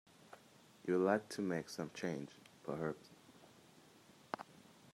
You will like to make some change, perhaps?